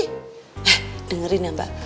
hah dengerin ya mbak